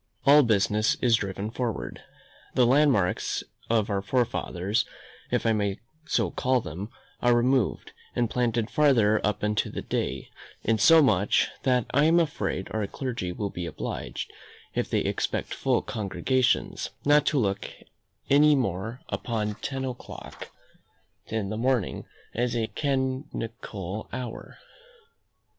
All business is driven forward. The landmarks of our fathers, if I may so call them, are removed, and planted farther up into the day; insomuch, that I am afraid our clergy will be obliged, if they expect full congregations, not to look any more upon ten o'clock in the morning as a canonical hour.